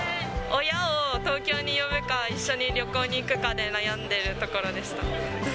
親を東京に呼ぶか、一緒に旅行に行くかで悩んでるところでした。